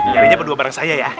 nyarinya berdua bareng saya ya